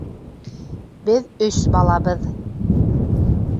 Беҙ өс балабыҙ.